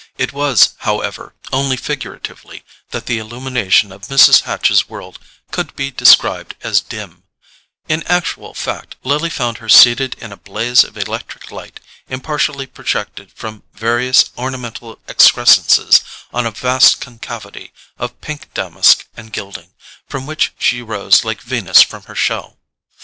It was, however, only figuratively that the illumination of Mrs. Hatch's world could be described as dim: in actual fact, Lily found her seated in a blaze of electric light, impartially projected from various ornamental excrescences on a vast concavity of pink damask and gilding, from which she rose like Venus from her shell.